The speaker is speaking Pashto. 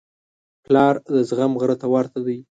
پلار د زغم غره ته ورته دی.